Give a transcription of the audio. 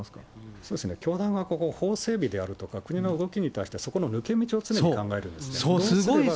そうですね、教団はここ、法整備であるとか、国の動きに対しては、そこの抜け道を常に考えるんですね。